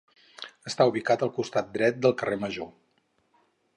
Està ubicat al costat dret del carrer Major.